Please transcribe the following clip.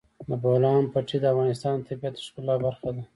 د بولان پټي د افغانستان د طبیعت د ښکلا برخه ده.